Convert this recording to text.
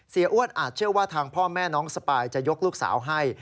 อ้วนอาจเชื่อว่าทางพ่อแม่น้องสปายจะยกลูกสาวให้